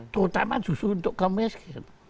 terutama susu untuk kaum miskin